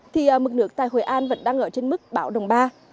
thì mực nước tại hội an vẫn đang ở trên mức bão đồng ba